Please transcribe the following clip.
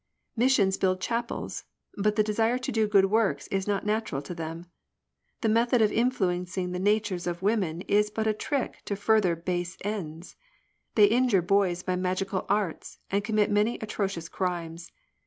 Missions build chapels. But the desire to do good works is not natural to them. The method of influencing the natures of women Is but a trick to further base ends. They injure boys by magical arts. And commit many atrocious crimes.